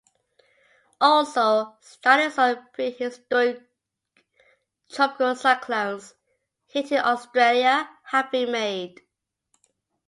Also, studies on pre-historic tropical cyclones hitting Australia have been made.